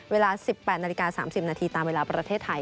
เวลา๑๘นาฬิกา๓๐นาทีตามเวลาประเทศไทย